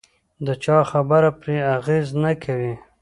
د چا خبره پرې اغېز نه کوي.